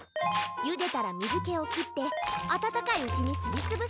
ゆでたらみずけをきってあたたかいうちにすりつぶす。